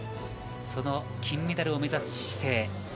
その金メダルを目指す姿勢。